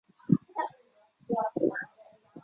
从前面公司进行再造的经验中进行学习。